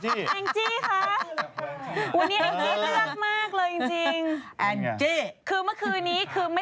ใช่ค่ะ